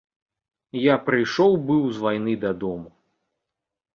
Я прыйшоў быў з вайны дадому.